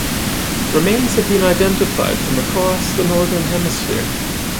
Remains have been identified from across the Northern Hemisphere.